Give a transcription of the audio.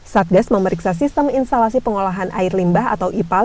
satgas memeriksa sistem instalasi pengolahan air limbah atau ipal